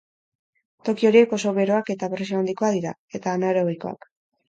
Toki horiek oso beroak eta presio handikoak dira, eta anaerobioak.